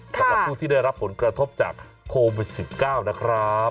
สำหรับผู้ที่ได้รับผลกระทบจากโควิด๑๙นะครับ